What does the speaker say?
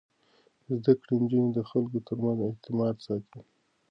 زده کړې نجونې د خلکو ترمنځ اعتماد ساتي.